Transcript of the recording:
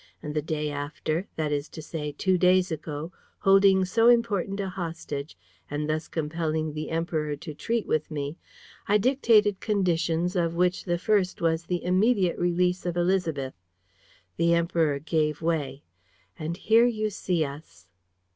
And the day after, that is to say, two days ago, holding so important a hostage and thus compelling the Emperor to treat with me, I dictated conditions of which the first was the immediate release of Élisabeth. The Emperor gave way. And here you see us!"